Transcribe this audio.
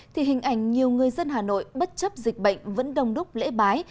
thì hình ảnh nhiều người dân hà nội bất chấp dịch bệnh vẫn đông đúc lễ bái